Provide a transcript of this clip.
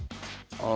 ああ！